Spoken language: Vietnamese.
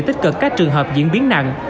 tích cực các trường hợp diễn biến nặng